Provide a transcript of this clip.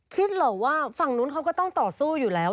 เหรอว่าฝั่งนู้นเขาก็ต้องต่อสู้อยู่แล้ว